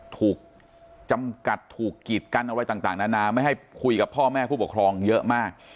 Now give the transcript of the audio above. ถูกจำกัดถูกกีดกันอะไรต่างนานาไม่ให้คุยกับพ่อแม่ผู้ปกครองเยอะมาก